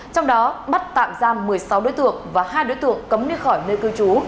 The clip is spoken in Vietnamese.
trong đó bắt tạm giam một mươi sáu đối tượng và hai đối tượng cấm đi khỏi nơi cư trú